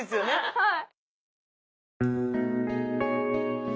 はい。